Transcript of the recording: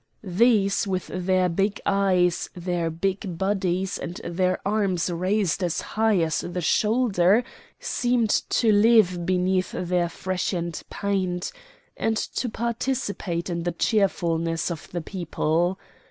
These, with their big eyes, their big bodies, and their arms raised as high as the shoulder, seemed to live beneath their freshened paint, and to participate in the cheerfulness of the people.